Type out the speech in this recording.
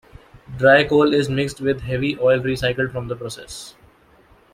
Dry coal is mixed with heavy oil recycled from the process.